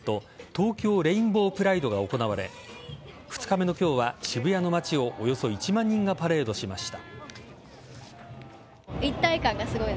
東京レインボープライドが行われ２日目の今日は渋谷の街をおよそ１万人がパレードしました。